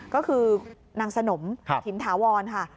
ก็คือนางสนมหินถาวรค่ะ